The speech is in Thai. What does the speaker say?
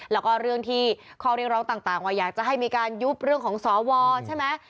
แล้วก็เรื่องที่ข้อเรียกร้องต่างว่าอยากจะให้มีการยุบเรื่องของสวใช่ไหม